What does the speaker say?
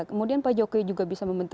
kemudian pak jokowi juga bisa membentuk